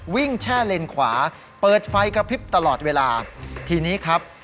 แช่เลนขวาเปิดไฟกระพริบตลอดเวลาทีนี้ครับ